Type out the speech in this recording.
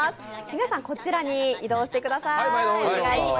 皆さんこちらに移動してください。